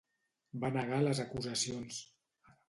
Va negar les acusacions.